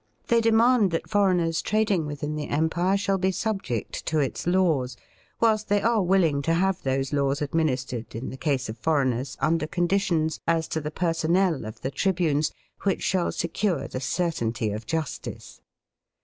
They demand that foreigners trading within the empire shall be subject to its laws, whilst they are willing to have those laws administered in the case of foreigners under conditions, as to the personnel of the tribunes, which shall secure the certainty of justice.